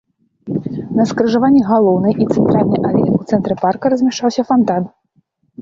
На скрыжаванні галоўнай і цэнтральнай алей, у цэнтры парка размяшчаўся фантан.